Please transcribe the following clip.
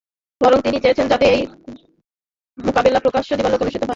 বরং তিনি চেয়েছেন যাতে এই মুকাবিলা প্রকাশ্য দিবালোকে অনুষ্ঠিত হয়।